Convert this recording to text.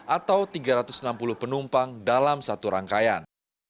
atau tiga ratus enam puluh penumpang dalam satu rangkaian